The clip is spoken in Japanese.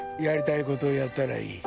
やりたいことやったらいい。